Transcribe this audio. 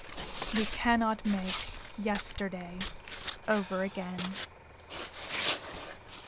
We cannot make yesterday over again.